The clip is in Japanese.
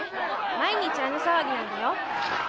毎日あの騒ぎなんだよ。